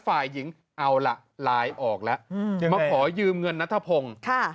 ฝ่ายหญิงเอาล่ะไลน์ออกแล้วมาขอยืมเงินนัทพงศ์